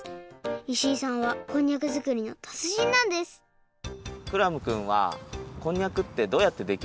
石井さんはこんにゃくづくりのたつじんなんですクラムくんはこんにゃくってどうやってできるとおもいますか？